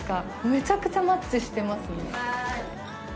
めちゃくちゃマッチしてますね。